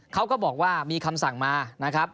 เขาก็บอกว่ามีคำสั่งมานะครับ